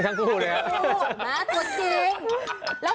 มาตรวจจริง